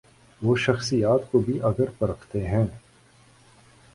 وہ شخصیات کو بھی اگر پرکھتے ہیں۔